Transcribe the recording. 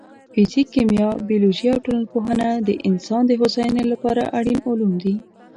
فزیک، کیمیا، بیولوژي او ټولنپوهنه د انسان د هوساینې لپاره اړین علوم دي.